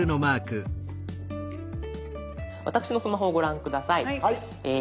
私のスマホをご覧下さい。